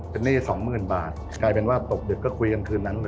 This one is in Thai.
เป็นหนี้สองหมื่นบาทกลายเป็นว่าตกดึกก็คุยกันคืนนั้นเลย